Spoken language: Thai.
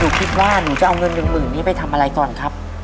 ดูกิจว่านายจะเอาเงิน๑๐๐๐๐บาทนี้ไปทำอะไรก่อนครับ